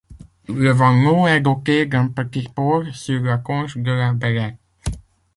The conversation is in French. Le Vanneau est doté d'un petit port sur la conche de la Belette.